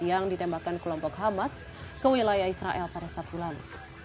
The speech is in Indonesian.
yang ditembakkan kelompok hamas ke wilayah israel pada sabtu lalu